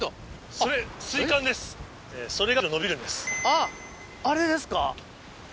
あぁあれですか。